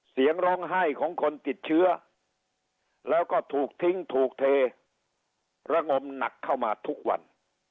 เสียงร้องไห้ของคนติดเชื้อแล้วก็ถูกทิ้งถูกเทระงมหนักเข้ามาทุกวัน